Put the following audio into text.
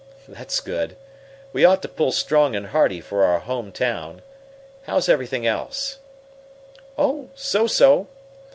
"That's good. We ought to pull strong and hearty for our home town. How's everything else?" "Oh, so so.